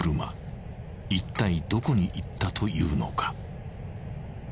［いったいどこに行ったというのか］